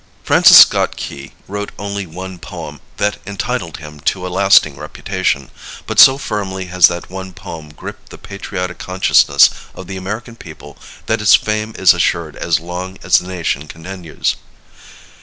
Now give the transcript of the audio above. Francis Scott Key wrote only one poem that entitled him to a lasting reputation, but so firmly has that one poem gripped the patriotic consciousness of the American people that its fame is assured as long as the nation continues.